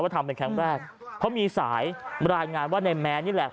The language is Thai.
ว่าทำเป็นแค่แรกเพราะมีสายรายงานว่านายแมนนี่แหละ